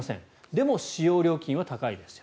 でも使用料金は高いです。